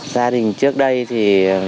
gia đình trước đây thì